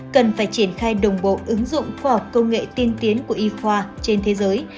cần phải triển khai đồng bộ ứng dụng khoa học công nghệ tiên tiến của y khoa trên thế giới